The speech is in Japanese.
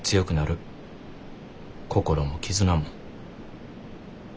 心も絆も。